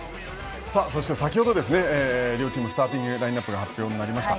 そして先程両チームスターティングラインナップ発表になりました。